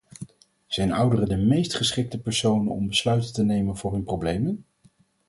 Zijn ouderen de meest geschikte personen om besluiten te nemen voor hun problemen?